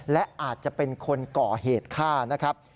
และอาจจะเป็นคนก่อเหตุฆ่านะครับ